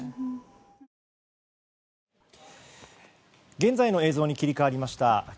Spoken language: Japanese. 現在の映像に切り替わりました。